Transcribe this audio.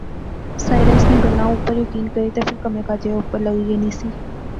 ساحرہ اس نیاں گلاہ اُپر یقین کری تے فیر کمے کاجے وچ لاغی گینی سی